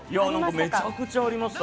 めちゃくちゃありました！